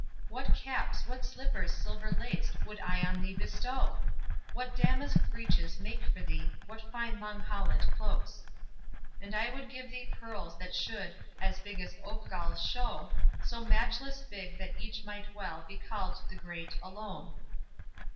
What caps, what slippers silver laced, Would I on thee bestow! What damask breeches make for thee; What fine long holland cloaks! And I would give thee pearls that should As big as oak galls show; So matchless big that each might well Be called the great "Alone."